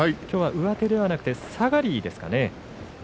きょうは上手ではなくて下がりですかね。